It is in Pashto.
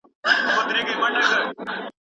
خیبره زه دې پېژنم له هغې زمانې نه